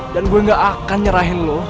dan gue gak akan nyerahin lu